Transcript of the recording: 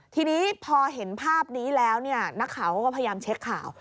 ทีนี้พอเห็นภาพนี้แล้วนักข่าวก็พยายามเช็คข่าว